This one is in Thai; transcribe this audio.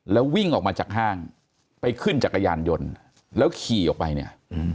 แล้ววิ่งออกมาจากห้างไปขึ้นจักรยานยนต์แล้วขี่ออกไปเนี่ย